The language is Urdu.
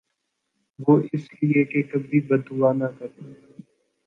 وُہ اس لئے کہ کبھی بد دُعا نہ کر پایا